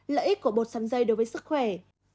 lợi ích của bột sắn dây đối với sức khỏe